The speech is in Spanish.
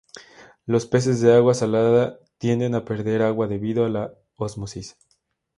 Los peces de agua salada tienden a perder agua debido a la ósmosis.